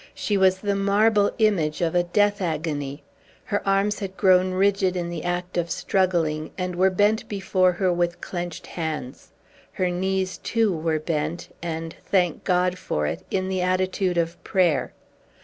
She was the marble image of a death agony. Her arms had grown rigid in the act of struggling, and were bent before her with clenched hands; her knees, too, were bent, and thank God for it! in the attitude of prayer.